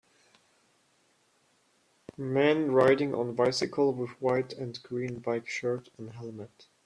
Man riding on bicycle with white and green bike shirt and helmet.